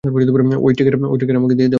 ঐ ট্রিগার আমাকে দিয়ে দাও জুনি।